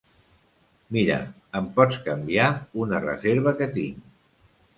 Mira, em pots canviar una reserva que tinc.